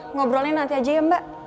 ngobrolnya nanti aja ya mbak